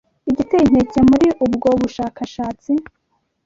Igiteye inkeke muri ubwo bushakashatsi,